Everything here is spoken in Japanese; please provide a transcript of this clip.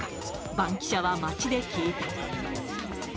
バンキシャは街で聞いた。